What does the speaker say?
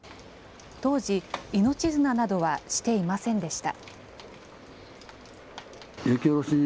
当時、命綱などはしていませんでした。